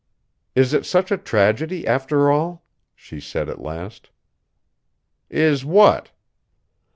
"Is it such a tragedy, after all?" she said at last. "Is what?"